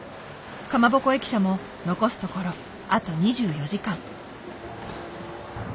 カマボコ駅舎も残すところあと２４時間。